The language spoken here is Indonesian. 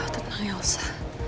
tenang ya elsa